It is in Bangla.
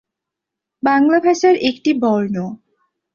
বাংলা ভাষার একটি বর্ণ।